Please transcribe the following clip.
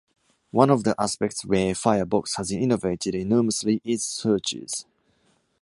One of the aspects where Firefox has innovated enormously is searches.